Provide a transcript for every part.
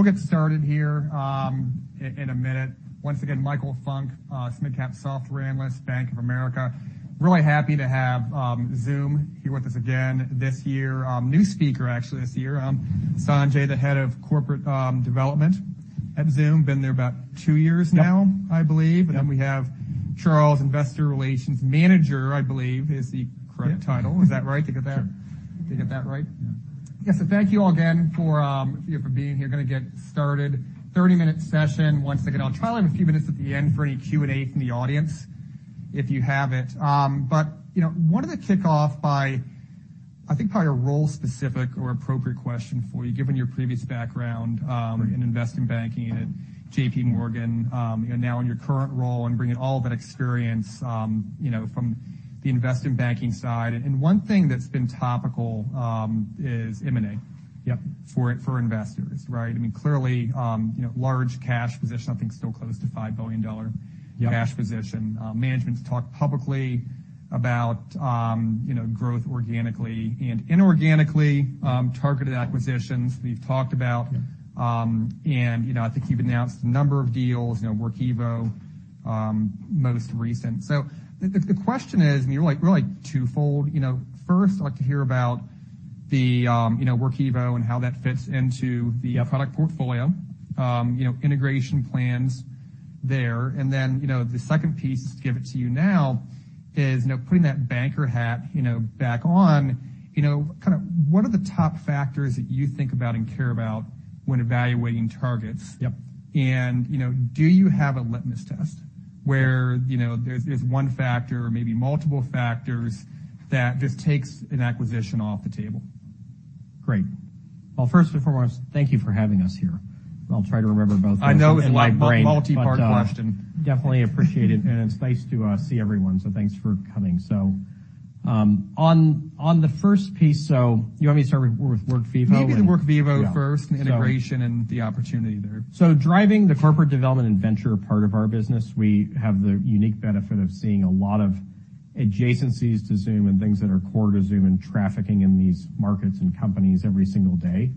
We'll get started here, in a minute. Once again, Michael Funk, SMidCap Software Analyst, Bank of America. Really happy to have Zoom here with us again this year. New speaker, actually, this year, Sanjay, the Head of Corporate Development at Zoom, been there about two years now. Yep. I believe. Yep. We have Charles, Investor Relations Manager, I believe is the. Yep. Correct title. Is that right? Did I get that? Sure. Did I get that right? Yeah. Thank you all again for being here. Gonna get started, 30-minute session. Once again, I'll try and leave a few minutes at the end for any Q&A from the audience, if you have it. You know, wanted to kick off by, I think, probably a role-specific or appropriate question for you, given your previous background in investment banking at JPMorgan, and now in your current role, and bringing all that experience, you know, from the investment banking side. One thing that's been topical is M&A. Yep. For investors, right? I mean, clearly, you know, large cash position, I think still close to $5 billion. Yep. Cash position. Management's talked publicly about, you know, growth organically and inorganically, targeted acquisitions. We've talked about, and, you know, I think you've announced a number of deals, you know, Workvivo, most recent. The question is, and really twofold. You know, first, I'd like to hear about the, you know, Workvivo, and how that fits into the product portfolio, you know, integration plans there. The second piece, to give it to you now, is, you know, putting that banker hat, you know, back on, you know, kind of what are the top factors that you think about and care about when evaluating targets? Yep. You know, do you have a litmus test where, you know, there's one factor or maybe multiple factors that just takes an acquisition off the table? Great. Well, first and foremost, thank you for having us here. I'll try to remember. I know. In my brain. It's a multipart question. Definitely appreciate it, and it's nice to, see everyone, so thanks for coming. On the first piece, so you want me to start with Workvivo? Maybe the Workvivo first. Yeah. The integration and the opportunity there. Driving the corporate development and venture part of our business, we have the unique benefit of seeing a lot of adjacencies to Zoom, and things that are core to Zoom, and trafficking in these markets and companies every single day.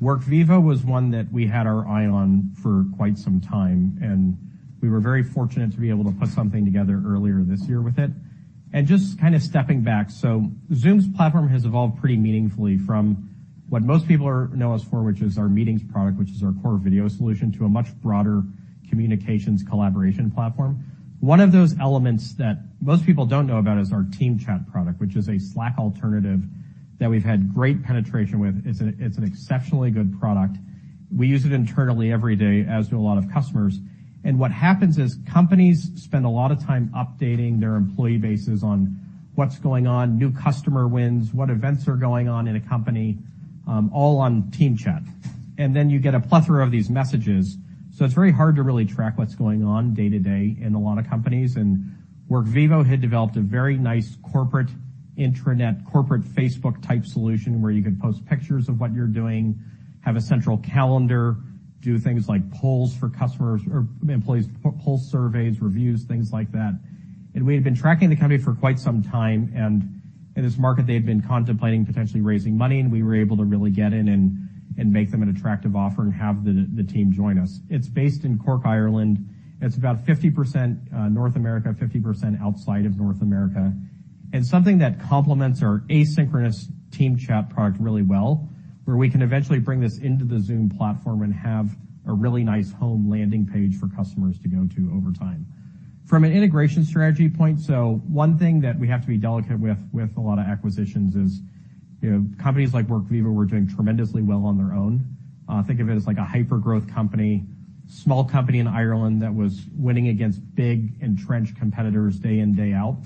Workvivo was one that we had our eye on for quite some time, and we were very fortunate to be able to put something together earlier this year with it. Just kind of stepping back, so Zoom's platform has evolved pretty meaningfully from what most people know us for, which is our meetings product, which is our core video solution, to a much broader communications collaboration platform. One of those elements that most people don't know about is our team chat product, which is a Slack alternative that we've had great penetration with. It's an exceptionally good product. We use it internally every day, as do a lot of customers. What happens is, companies spend a lot of time updating their employee bases on what's going on, new customer wins, what events are going on in a company, all on team chat, and then you get a plethora of these messages. It's very hard to really track what's going on day to day in a lot of companies, and Workvivo had developed a very nice corporate intranet, corporate Facebook-type solution, where you could post pictures of what you're doing, have a central calendar, do things like polls for customers or employees, poll surveys, reviews, things like that. We had been tracking the company for quite some time, and in this market, they had been contemplating potentially raising money, and we were able to really get in and make them an attractive offer and have the team join us. It's based in Cork, Ireland. It's about 50% North America, 50% outside of North America. Something that complements our asynchronous team chat product really well, where we can eventually bring this into the Zoom platform and have a really nice home landing page for customers to go to over time. From an integration strategy point, one thing that we have to be delicate with a lot of acquisitions is, you know, companies like Workvivo were doing tremendously well on their own. Think of it as like a hyper-growth company, small company in Ireland that was winning against big, entrenched competitors day in, day out.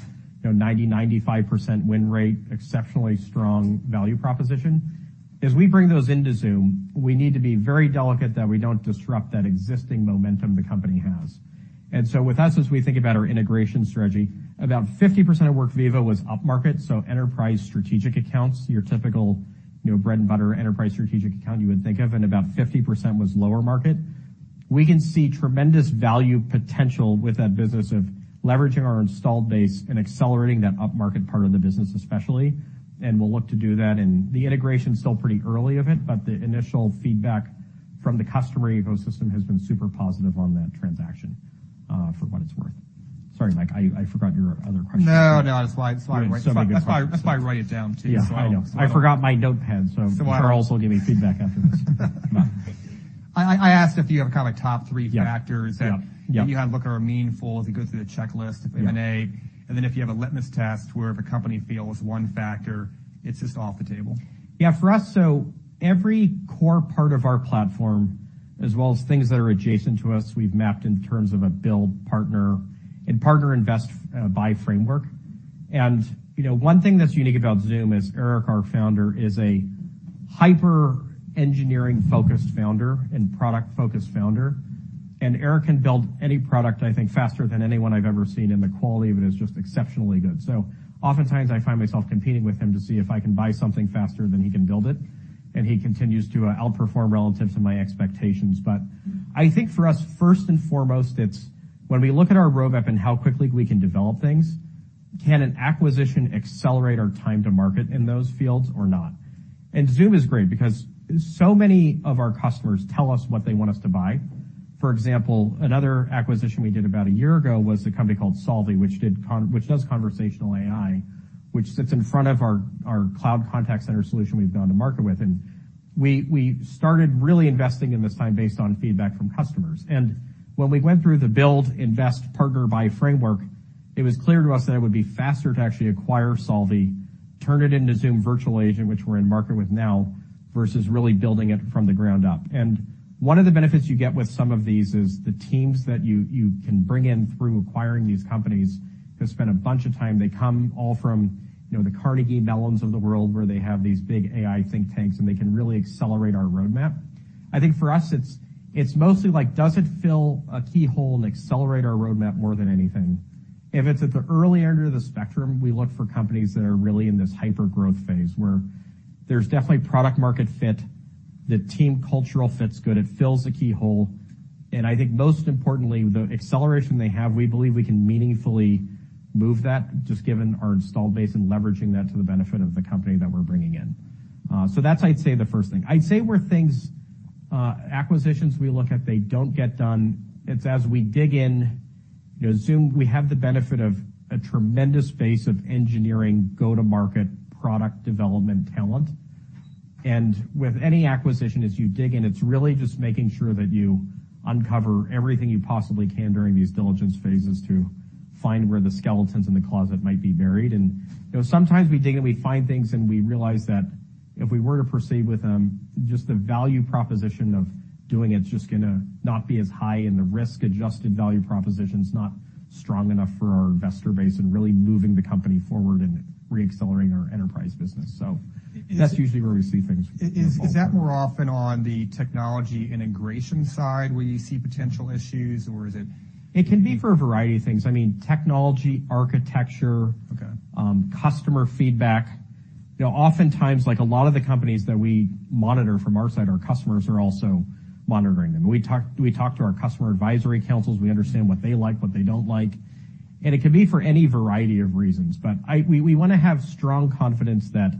You know, 90%, 95% win rate, exceptionally strong value proposition. As we bring those into Zoom, we need to be very delicate that we don't disrupt that existing momentum the company has. With us, as we think about our integration strategy, about 50% of Workvivo was upmarket, so enterprise strategic accounts, your typical, you know, bread and butter enterprise strategic account you would think of, and about 50% was lower market. We can see tremendous value potential with that business of leveraging our installed base and accelerating that upmarket part of the business, especially, and we'll look to do that. The integration's still pretty early of it, but the initial feedback from the customer ecosystem has been super positive on that transaction, for what it's worth. Sorry, Mike, I forgot your other question. No, no, that's why. So many. That's why, I write it down, too. Yeah, I know. I forgot my notepad, so. So. Charles will give me feedback after this. I asked if you have kind of a top three factors. Yeah, yeah. You kind of look are meaningful as you go through the checklist. Yeah. Of M&A, and then if you have a litmus test, where if a company fails one factor, it's just off the table. Yeah, for us, so every core part of our platform, as well as things that are adjacent to us, we've mapped in terms of a build partner and partner invest, buy framework. You know, one thing that's unique about Zoom is Eric, our Founder, is a hyper-engineering-focused founder and product-focused founder, and Eric can build any product, I think, faster than anyone I've ever seen, and the quality of it is just exceptionally good. Oftentimes, I find myself competing with him to see if I can buy something faster than he can build it, and he continues to outperform relative to my expectations. I think for us, first and foremost, it's when we look at our roadmap and how quickly we can develop things. Can an acquisition accelerate our time to market in those fields or not? Zoom is great, because so many of our customers tell us what they want us to buy. For example, another acquisition we did about a year ago was a company called Solvvy, which does conversational AI, which sits in front of our cloud contact center solution we've gone to market with. We started really investing in this time based on feedback from customers. When we went through the build, invest, partner, buy framework, it was clear to us that it would be faster to actually acquire Solvvy, turn it into Zoom Virtual Agent, which we're in market with now, versus really building it from the ground up. One of the benefits you get with some of these is the teams that you can bring in through acquiring these companies have spent a bunch of time. They come all from, you know, the Carnegie Mellons of the world, where they have these big AI think tanks. They can really accelerate our roadmap. I think for us, it's mostly like, does it fill a key hole and accelerate our roadmap more than anything? If it's at the early end of the spectrum, we look for companies that are really in this hyper-growth phase, where there's definitely product market fit, the team cultural fit's good, it fills a key hole. Most importantly, the acceleration they have, we believe we can meaningfully move that, just given our install base and leveraging that to the benefit of the company that we're bringing in. That's, I'd say, the first thing. I'd say where things, acquisitions we look at, they don't get done, it's as we dig in, you know, Zoom, we have the benefit of a tremendous base of engineering, go-to-market, product development talent. With any acquisition, as you dig in, it's really just making sure that you uncover everything you possibly can during these diligence phases to find where the skeletons in the closet might be buried. You know, sometimes we dig, and we find things, and we realize that if we were to proceed with them, just the value proposition of doing it is just gonna not be as high, and the risk-adjusted value proposition's not strong enough for our investor base in really moving the company forward and reaccelerating our enterprise business. That's usually where we see things, you know, fall through. Is that more often on the technology integration side, where you see potential issues, or is it. It can be for a variety of things. I mean, technology, architecture. Okay. Customer feedback. You know, oftentimes, like a lot of the companies that we monitor from our side, our customers are also monitoring them. We talk to our customer advisory councils. We understand what they like, what they don't like, and it could be for any variety of reasons. We wanna have strong confidence that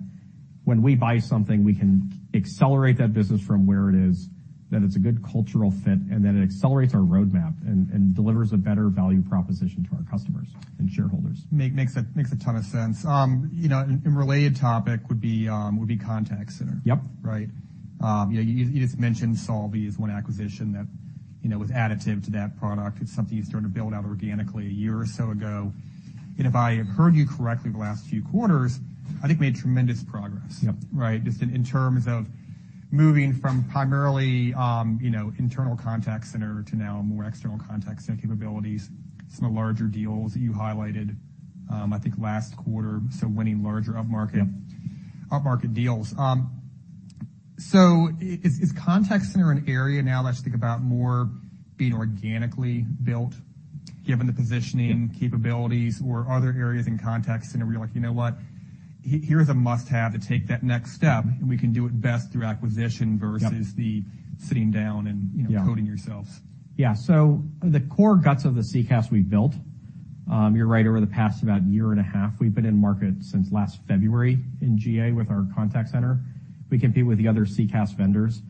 when we buy something, we can accelerate that business from where it is, that it's a good cultural fit, and that it accelerates our roadmap and delivers a better value proposition to our customers and shareholders. Makes a ton of sense. You know, a related topic would be contact center. Yep. Right? You know, you just mentioned Solvvy as one acquisition that, you know, was additive to that product. It's something you started to build out organically a year or so ago, if I have heard you correctly the last few quarters, I think you made tremendous progress. Yep. Right? Just in terms of moving from primarily, you know, internal contact center to now more external contact center capabilities, some of the larger deals that you highlighted, I think last quarter. Winning larger upmarket. Yep. Upmarket deals. Is contact center an area now that's think about more being organically built, given the positioning and capabilities, or are there areas in contact center where you're like: You know what? Here's a must-have to take that next step, and we can do it best through acquisition versus. Yep. The sitting down and, you know. Yeah. Coding yourselves? The core guts of the CCaaS we've built, you're right, over the past about year and a half. We've been in market since last February in GA with our contact center. We compete with the other CCaaS vendors.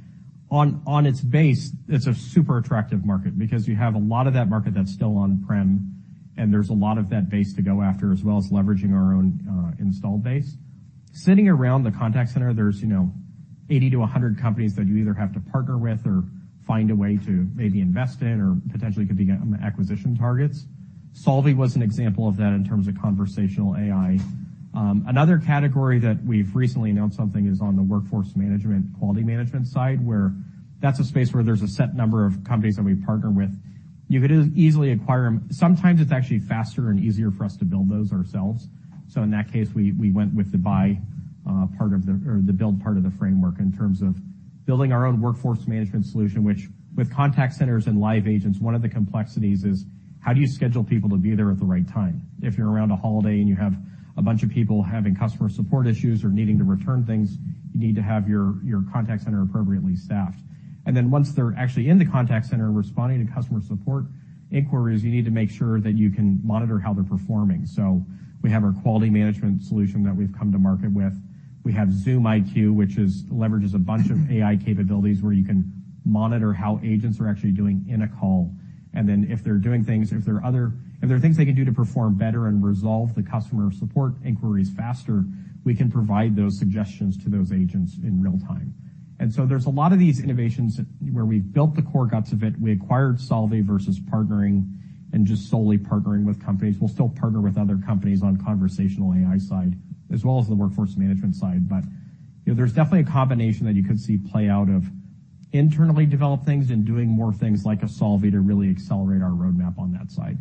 On its base, it's a super attractive market, because you have a lot of that market that's still on-prem, and there's a lot of that base to go after, as well as leveraging our own installed base. Sitting around the contact center, there's, you know, 80-100 companies that you either have to partner with or find a way to maybe invest in or potentially could be acquisition targets. Solvvy was an example of that in terms of conversational AI. Another category that we've recently announced something is on the workforce management, quality management side, where that's a space where there's a set number of companies that we partner with. You could easily acquire them. Sometimes it's actually faster and easier for us to build those ourselves, in that case, we went with the build part of the framework in terms of building our own workforce management solution, which, with contact centers and live agents, one of the complexities is, how do you schedule people to be there at the right time? If you're around a holiday, and you have a bunch of people having customer support issues or needing to return things, you need to have your contact center appropriately staffed. Once they're actually in the contact center, responding to customer support inquiries, you need to make sure that you can monitor how they're performing. We have our quality management solution that we've come to market with. We have Zoom IQ, which leverages a bunch of AI capabilities, where you can monitor how agents are actually doing in a call. If they're doing things, if there are things they can do to perform better and resolve the customer support inquiries faster, we can provide those suggestions to those agents in real time. There's a lot of these innovations where we've built the core guts of it. We acquired Solvvy versus partnering and just solely partnering with companies. We'll still partner with other companies on conversational AI side, as well as the workforce management side. You know, there's definitely a combination that you could see play out of internally develop things and doing more things like a Solvvy to really accelerate our roadmap on that side.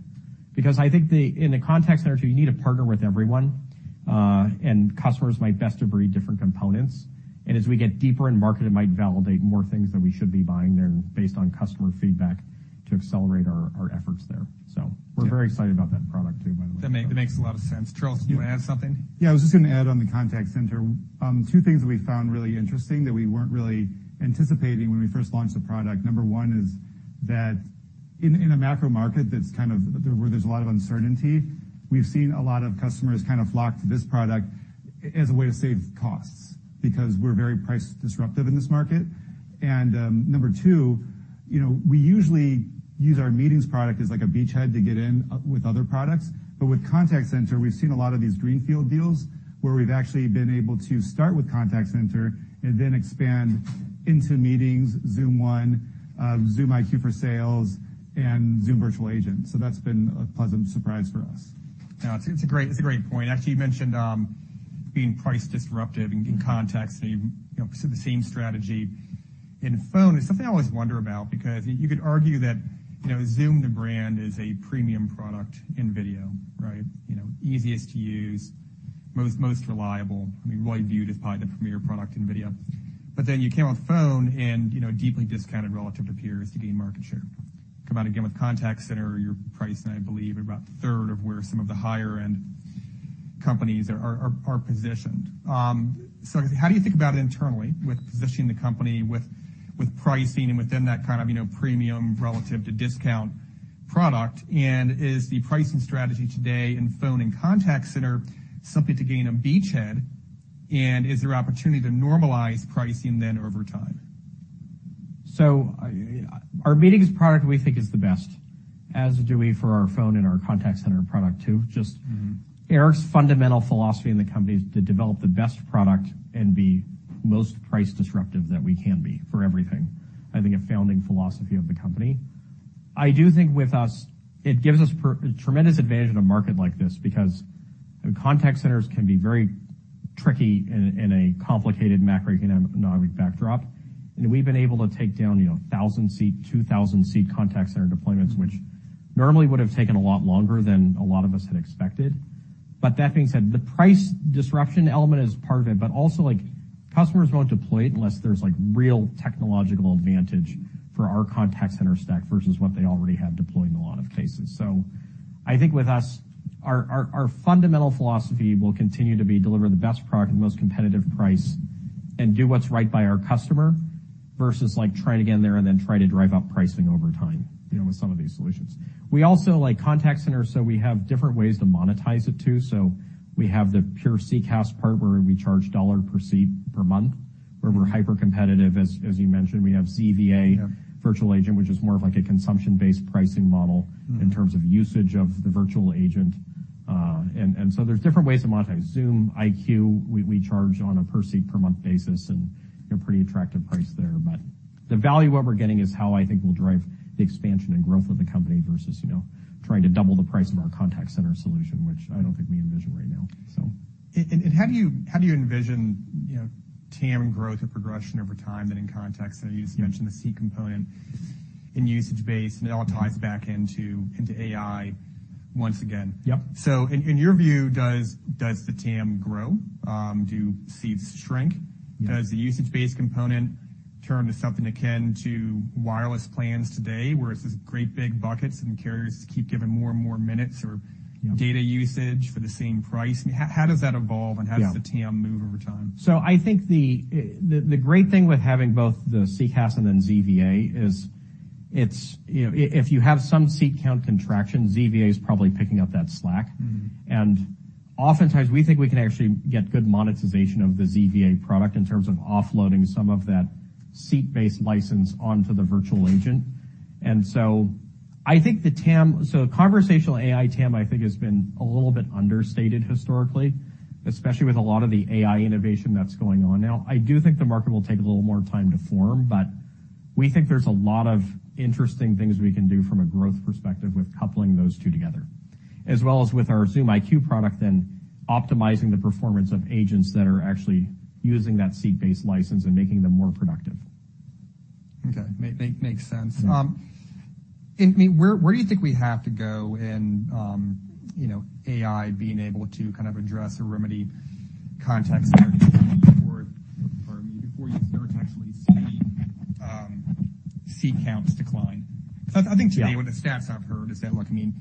I think the, in the contact center, you need to partner with everyone, and customers might best agree different components. As we get deeper in market, it might validate more things that we should be buying there, based on customer feedback, to accelerate our efforts there. Yeah. We're very excited about that product, too, by the way. That makes a lot of sense. Charles, do you want to add something? Yeah, I was just gonna add on the contact center, two things that we found really interesting that we weren't really anticipating when we first launched the product. Number one is that even in a macro market that's kind of, where there's a lot of uncertainty, we've seen a lot of customers kind of flock to this product as a way to save costs, because we're very price disruptive in this market. Number two, you know, we usually use our meetings product as, like, a beachhead to get in with other products. With contact center, we've seen a lot of these greenfield deals, where we've actually been able to start with contact center and then expand into Meetings, Zoom One, Zoom IQ for Sales, and Zoom Virtual Agent. That's been a pleasant surprise for us. Yeah, it's a great, it's a great point. Actually, you mentioned, being price disruptive. Mm-hmm. In context, and you know, pursue the same strategy. In phone, there's something I always wonder about, because you could argue that, you know, Zoom, the brand, is a premium product in video, right? You know, easiest to use, most reliable, I mean, widely viewed as probably the premier product in video. Then you came on phone and, you know, deeply discounted relative to peers to gain market share. Come out again with contact center, your price, I believe, are about a third of where some of the higher-end companies are positioned. How do you think about it internally with positioning the company with pricing and within that kind of, you know, premium relative to discount product? Is the pricing strategy today in phone and contact center simply to gain a beachhead, and is there opportunity to normalize pricing then over time? Our Meetings product, we think, is the best, as do we for our phone and our contact center product, too. Mm-hmm. Eric's fundamental philosophy in the company is to develop the best product and be most price disruptive that we can be for everything. I think a founding philosophy of the company. I do think with us, it gives us tremendous advantage in a market like this, because contact centers can be very tricky in a complicated macroeconomic backdrop. We've been able to take down, you know, 1,000-seat, 2,000-seat contact center deployments. Mm. Which normally would've taken a lot longer than a lot of us had expected. That being said, the price disruption element is part of it, but also, like, customers won't deploy it unless there's, like, real technological advantage for our contact center stack versus what they already have deployed in a lot of cases. I think with us, our fundamental philosophy will continue to be deliver the best product at the most competitive price and do what's right by our customer, versus, like, trying to get in there and then try to drive up pricing over time, you know, with some of these solutions. We also, like, contact center, so we have different ways to monetize it, too. We have the pure CCaaS part, where we charge dollar per seat per month, where we're hypercompetitive. As you mentioned, we have ZVA. Yep. Virtual Agent, which is more of, like, a consumption-based pricing model. Mm-hmm. In terms of usage of the Virtual Agent. There's different ways to monetize. Zoom IQ, we charge on a per-seat, per-month basis, and, you know, pretty attractive price there. The value what we're getting is how I think we'll drive the expansion and growth of the company versus, you know, trying to double the price of our contact center solution, which I don't think we envision right now. How do you envision, you know, TAM growth or progression over time, and in context? Yep. The seat component and usage base, it all ties back into AI once again. Yep. In your view, does the TAM grow? Do seats shrink? Yeah. Does the usage-based component turn to something akin to wireless plans today, where it's this great big buckets, and carriers keep giving more and more minutes or. Yeah. Data usage for the same price? How does that evolve, and how. Yeah. Does the TAM move over time? I think the great thing with having both the CCaaS and then ZVA is it's, you know, if you have some seat count contraction, ZVA is probably picking up that slack. Mm-hmm. Oftentimes, we think we can actually get good monetization of the ZVA product in terms of offloading some of that seat-based license onto the virtual agent. I think the TAM, conversational AI TAM, I think, has been a little bit understated historically, especially with a lot of the AI innovation that's going on now. I do think the market will take a little more time to form, we think there's a lot of interesting things we can do from a growth perspective with coupling those two together. With our Zoom IQ product, and optimizing the performance of agents that are actually using that seat-based license and making them more productive. Okay. Makes sense. Yeah. I mean, where do you think we have to go in, you know, AI being able to kind of address or remedy contact center before, pardon me, before you start to actually see, seat counts decline? Yeah. With the stats I've heard, is that, like, I mean,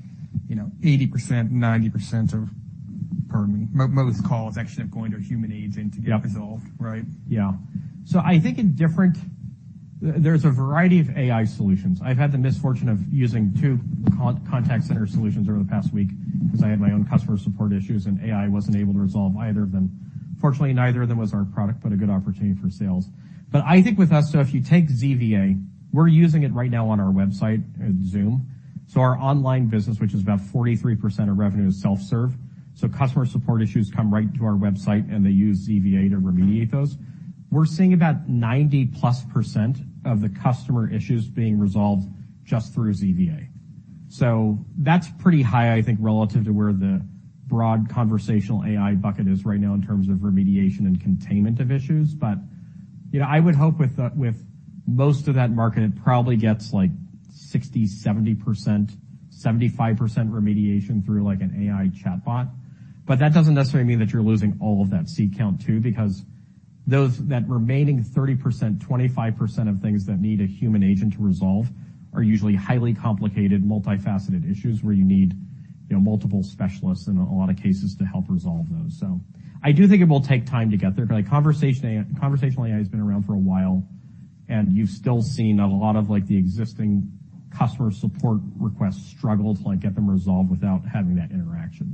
you know, 80%, 90% of, pardon me, most calls actually end up going to a human agent. Yep. To get resolved, right? I think in different, there's a variety of AI solutions. I've had the misfortune of using two contact center solutions over the past week, 'cause I had my own customer support issues, and AI wasn't able to resolve either of them. Fortunately, neither of them was our product, but a good opportunity for sales. I think with us, if you take ZVA, we're using it right now on our website at Zoom. Our online business, which is about 43% of revenue, is self-serve, so customer support issues come right to our website, and they use ZVA to remediate those. We're seeing about 90%+ of the customer issues being resolved just through ZVA. That's pretty high, I think, relative to where the broad conversational AI bucket is right now in terms of remediation and containment of issues. You know, I would hope with the, with most of that market, it probably gets, like, 60%, 70%, 75% remediation through, like, an AI chatbot. That doesn't necessarily mean that you're losing all of that seat count, too, because those, that remaining 30%, 25% of things that need a human agent to resolve are usually highly complicated, multifaceted issues where you need, you know, multiple specialists in a lot of cases to help resolve those. I do think it will take time to get there, but conversational AI has been around for a while. You've still seen a lot of, like, the existing customer support requests struggle to, like, get them resolved without having that interaction.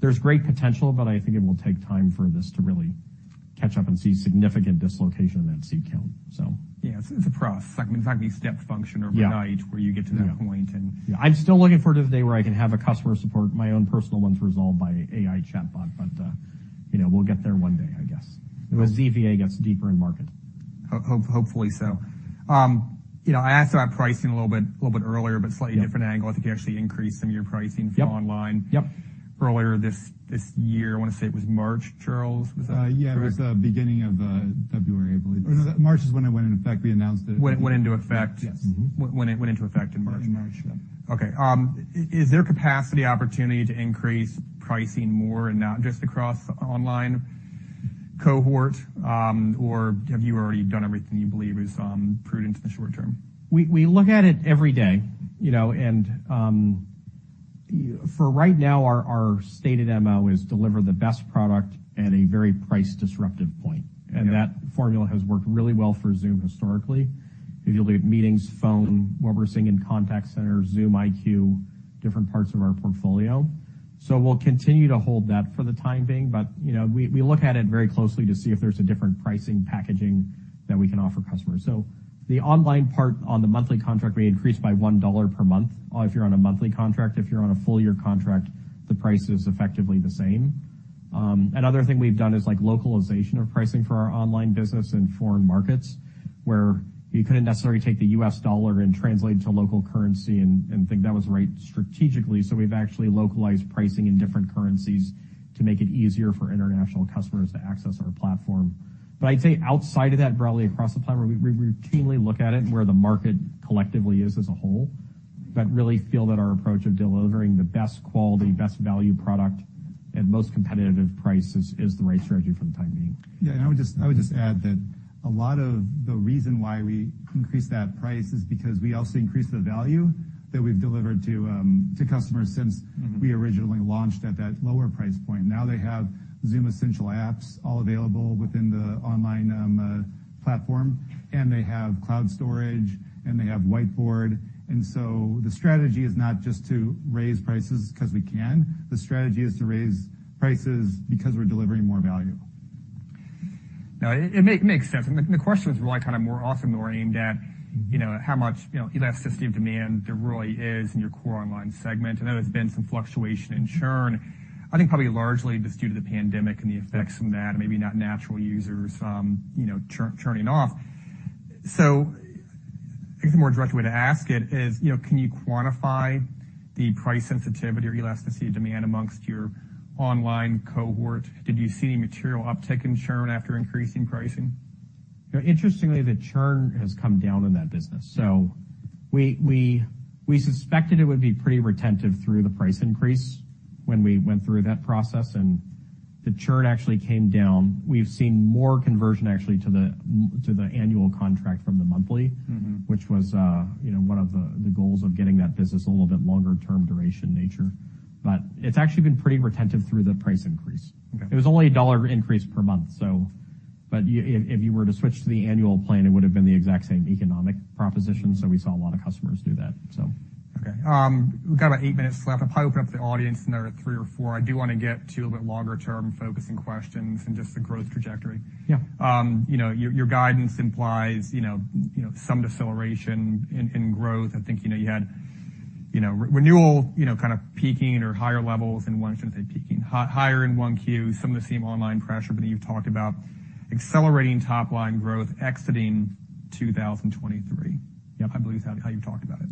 There's great potential, but I think it will take time for this to really catch up and see significant dislocation in that seat count. It's a process, like, it's not gonna be a step function overnight. Yeah. Where you get to that point, and. Yeah. I'm still looking forward to the day where I can have a customer support, my own personal ones, resolved by AI chatbot, but, you know, we'll get there one day, I guess, as ZVA gets deeper in market. Hopefully so. You know, I asked about pricing a little bit earlier. Yeah. Different angle. I think you actually increased some of your pricing. Yep. For online. Yep. Earlier this year, I wanna say it was March, Charles, was that correct? Yeah, it was beginning of February, I believe. No, March is when it went in effect. We announced it. When it went into effect? Yes. Mm-hmm. When it went into effect in March. In March, yeah. Okay, is there capacity opportunity to increase pricing more and not just across online cohort, or have you already done everything you believe is prudent in the short term? We look at it every day, you know, for right now, our stated MO is deliver the best product at a very price-disruptive point. Yeah. That formula has worked really well for Zoom historically. If you look at Meetings, Phone, what we're seeing in Contact Center, Zoom IQ, different parts of our portfolio. We'll continue to hold that for the time being, but, you know, we look at it very closely to see if there's a different pricing packaging that we can offer customers. The online part on the monthly contract, we increased by $1 per month if you're on a monthly contract. If you're on a full-year contract, the price is effectively the same. Another thing we've done is, like, localization of pricing for our online business in foreign markets, where you couldn't necessarily take the U.S. dollar and translate it to local currency and think that was right strategically. We've actually localized pricing in different currencies to make it easier for international customers to access our platform. I'd say outside of that, broadly across the platform, we routinely look at it and where the market collectively is as a whole. Really feel that our approach of delivering the best quality, best value product, at most competitive prices is the right strategy for the time being. Yeah, I would just add that a lot of the reason why we increased that price is because we also increased the value that we've delivered to customers since. Mm-hmm. We originally launched at that lower price point. Now they have Zoom Essential Apps, all available within the online platform, and they have cloud storage, and they have Whiteboard. The strategy is not just to raise prices 'cause we can, the strategy is to raise prices because we're delivering more value. It makes sense. The question is really kind of more also more aimed at, you know, how much, you know, elasticity of demand there really is in your core online segment. I know there's been some fluctuation in churn, I think probably largely just due to the pandemic and the effects from that, maybe not natural users, you know, churning off. I think the more direct way to ask it is, you know, can you quantify the price sensitivity or elasticity of demand amongst your online cohort? Did you see any material uptick in churn after increasing pricing? You know, interestingly, the churn has come down in that business. We suspected it would be pretty retentive through the price increase when we went through that process, and the churn actually came down. We've seen more conversion, actually, to the annual contract from the monthly. Mm-hmm. Which was, you know, one of the goals of getting that business a little bit longer-term duration nature. It's actually been pretty retentive through the price increase. Okay. It was only a $1 increase per month. If you were to switch to the annual plan, it would've been the exact same economic proposition, so we saw a lot of customers do that. Okay. We've got about eight minutes left. I'll probably open up to the audience, and there are three or four. I do wanna get to a bit longer-term focusing questions and just the growth trajectory. Yeah. You know, your guidance implies, you know, some deceleration in growth. I think, you know, you had renewal, you know, kind of peaking or higher levels in 1 Q, some of the same online pressure, but you've talked about accelerating top-line growth, exiting 2023. Yep. I believe that's how you talked about it.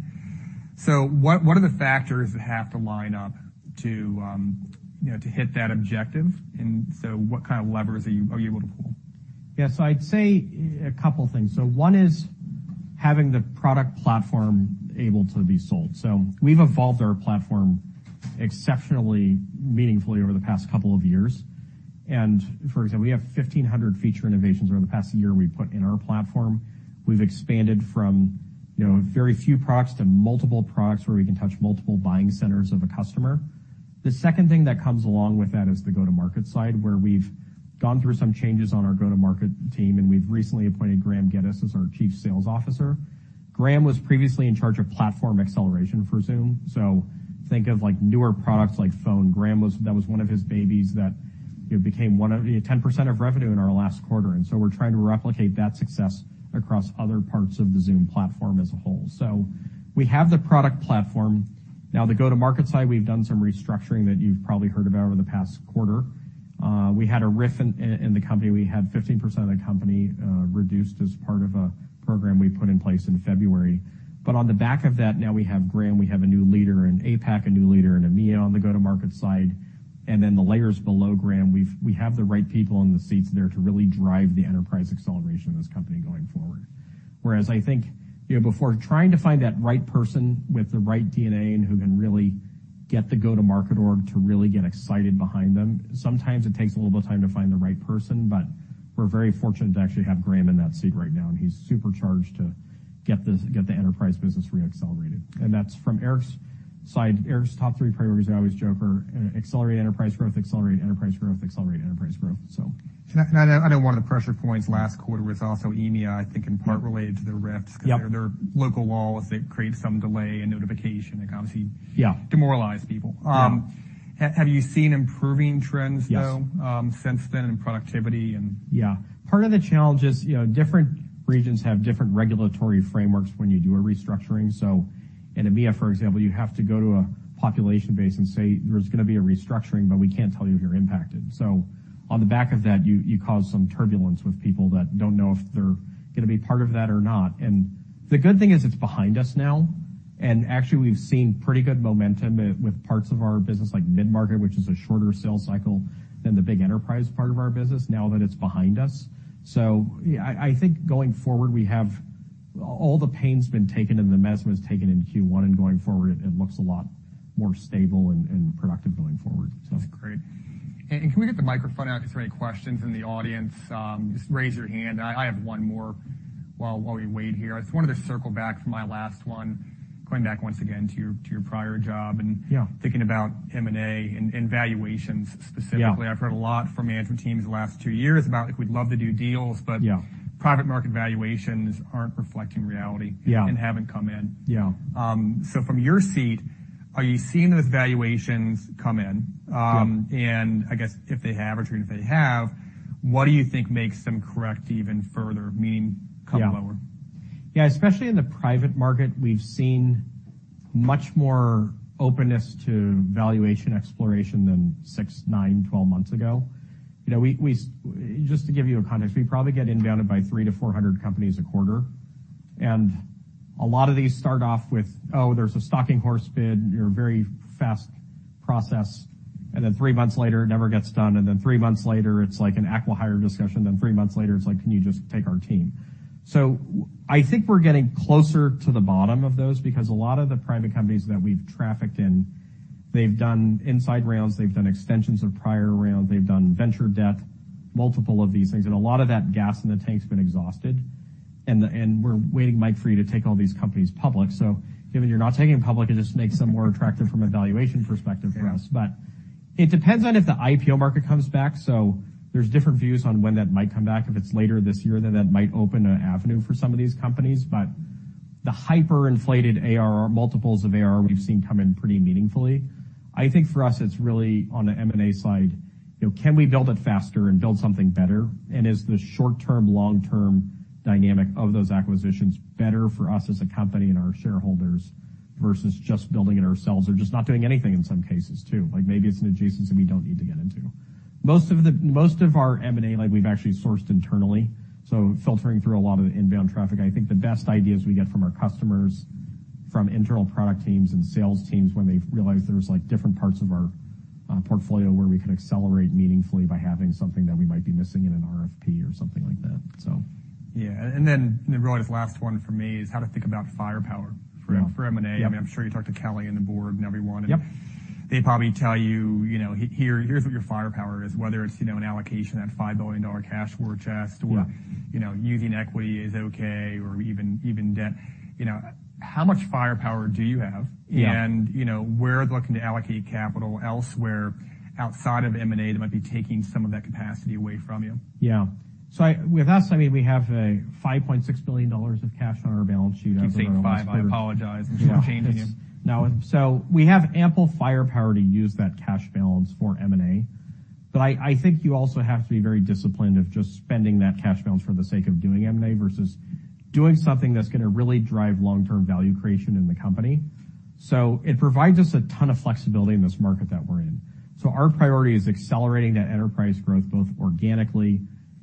What are the factors that have to line up to, you know, to hit that objective? What kind of levers are you able to pull? Yes, I'd say a couple things. One is having the product platform able to be sold. We've evolved our platform exceptionally meaningfully over the past couple of years. For example, we have 1,500 feature innovations over the past year we've put in our platform. We've expanded from, you know, very few products to multiple products, where we can touch multiple buying centers of a customer. The second thing that comes along with that is the go-to-market side, where we've gone through some changes on our go-to-market team, and we've recently appointed Graeme Geddes as our Chief Sales Officer. Graeme was previously in charge of platform acceleration for Zoom. Think of, like, newer products like Phone. That was one of his babies that, you know, became one of 10% of revenue in our last quarter. We're trying to replicate that success across other parts of the Zoom platform as a whole. We have the product platform. Now, the go-to-market side, we've done some restructuring that you've probably heard about over the past quarter. We had a RIF in the company. We had 15% of the company reduced as part of a program we put in place in February. On the back of that, now we have Graeme, we have a new leader, in APAC, a new leader, and EMEA on the go-to-market side. The layers below Graeme, we have the right people in the seats there to really drive the enterprise acceleration of this company going forward. Whereas I think, you know, before trying to find that right person with the right DNA and who can really get the go-to-market org to really get excited behind them, sometimes it takes a little bit of time to find the right person. We're very fortunate to actually have Graeme in that seat right now, and he's super charged to get the enterprise business re-accelerated. That's from Eric's side. Eric's top three priorities, I always joke, are, accelerate enterprise growth, accelerate enterprise growth, accelerate enterprise growth. I know one of the pressure points last quarter was also EMEA, I think in part related to the reps. Yep. Cause their local laws, they create some delay in notification. Yeah. Demoralize people. Yeah. Have you seen improving trends, though? Yes. Since then in productivity? Yeah. Part of the challenge is, you know, different regions have different regulatory frameworks when you do a restructuring. In EMEA, for example, you have to go to a population base and say, "There's gonna be a restructuring, but we can't tell you if you're impacted." On the back of that, you cause some turbulence with people that don't know if they're gonna be part of that or not, and the good thing is it's behind us now. Actually, we've seen pretty good momentum with parts of our business, like mid-market, which is a shorter sales cycle than the big enterprise part of our business, now that it's behind us. Yeah, I think going forward, we have all the pain's been taken and the medicine was taken in Q1. Going forward, it looks a lot more stable and productive going forward. That's great. Can we get the microphone out if there any questions in the audience? Just raise your hand. I have one more while we wait here. I just wanted to circle back to my last one, going back once again to your prior job. Yeah. And thinking about M&A and valuations specifically. Yeah. I've heard a lot from management teams the last two years about like, "We'd love to do deals, but. Yeah. Private market valuations aren't reflecting reality. Yeah. And haven't come in. Yeah. From your seat, are you seeing those valuations come in? Yeah. I guess if they have or if they haven't, what do you think makes them correct even further? Yeah. Come lower? Yeah, especially in the private market, we've seen much more openness to valuation exploration than six, nine, 12 months ago. You know, we, just to give you a context, we probably get inbound by 300 to 400 companies a quarter, and a lot of these start off with, oh, there's a stalking horse bid or very fast process, and then three months later, it never gets done, and then three months later, it's like an acqui-hire discussion, then three months later, it's like, "Can you just take our team?" I think we're getting closer to the bottom of those, because a lot of the private companies that we've trafficked in, they've done inside rounds, they've done extensions of prior rounds, they've done venture debt, multiple of these things, and a lot of that gas in the tank's been exhausted. We're waiting, Mike, for you to take all these companies public. Given you're not taking them public, it just makes them more attractive from a valuation perspective for us. Yeah. It depends on if the IPO market comes back, so there's different views on when that might come back. If it's later this year, that might open an avenue for some of these companies. The hyperinflated ARR, multiples of ARR, we've seen come in pretty meaningfully. I think for us, it's really on the M&A side, you know, can we build it faster and build something better? Is the short-term, long-term dynamic of those acquisitions better for us as a company and our shareholders, versus just building it ourselves or just not doing anything in some cases, too? Like, maybe it's an adjacency we don't need to get into. Most of our M&A, like, we've actually sourced internally, filtering through a lot of the inbound traffic. I think the best ideas we get are from our customers, from internal product teams and sales teams when they've realized there's, like, different parts of our portfolio where we can accelerate meaningfully by having something that we might be missing in an RFP or something like that, so. Yeah, the relative last one for me is how to think about firepower. Yeah. For M&A. Yeah. I mean, I'm sure you talked to Kelly and the Board and everyone. Yep. They probably tell you know, "here's what your firepower is," whether it's, you know, an allocation, that $5 billion cash war chest. Yeah. Or, you know, using equity is okay or even debt. You know, how much firepower do you have? Yeah. You know, where are you looking to allocate capital elsewhere outside of M&A that might be taking some of that capacity away from you? Yeah. With us, I mean, we have a $5.6 billion of cash on our balance sheet. You've said five. I apologize. I'm sure I'm changing you. No. We have ample firepower to use that cash balance for M&A. I think you also have to be very disciplined of just spending that cash balance for the sake of doing M&A versus doing something that's gonna really drive long-term value creation in the company. It provides us a ton of flexibility in this market that we're in. Our priority is accelerating that enterprise growth, both organically,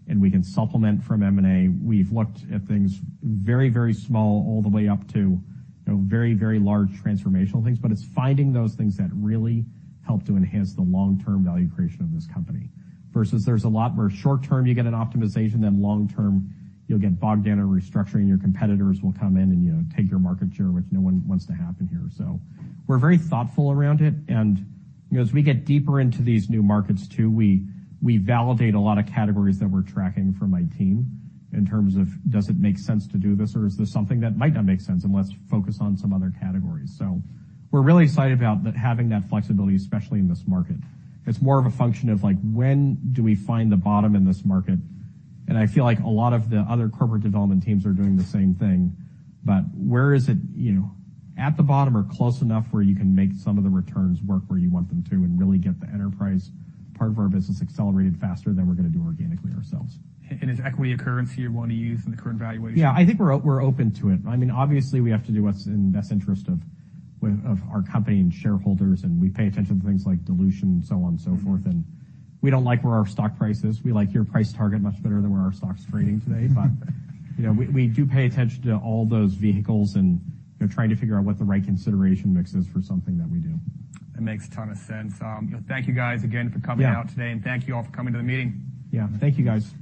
and we can supplement from M&A. We've looked at things very, very small all the way up to, you know, very, very large transformational things. It's finding those things that really help to enhance the long-term value creation of this company. There's a lot where short term, you get an optimization, then long term, you'll get bogged down and restructuring, your competitors will come in and, you know, take your market share, which no one wants to happen here. We're very thoughtful around it, and, you know, as we get deeper into these new markets too, we validate a lot of categories that we're tracking for my team in terms of, does it make sense to do this, or is this something that might not make sense, and let's focus on some other categories. We're really excited about that, having that flexibility, especially in this market. It's more of a function of, like, when do we find the bottom in this market? I feel like a lot of the other corporate development teams are doing the same thing, but where is it, you know, at the bottom or close enough where you can make some of the returns work where you want them to, and really get the enterprise part of our business accelerated faster than we're gonna do organically ourselves. Is equity a currency you'd want to use in the current valuation? Yeah, I think we're open to it. I mean, obviously, we have to do what's in the best interest of our company and shareholders. We pay attention to things like dilution and so on and so forth. Mm-hmm. We don't like where our stock price is. We like your price target much better than where our stock's trading today. You know, we do pay attention to all those vehicles and, you know, trying to figure out what the right consideration mix is for something that we do. That makes a ton of sense. Thank you, guys, again, for coming out today. Yeah. Thank you all for coming to the meeting. Yeah. Thank you, guys.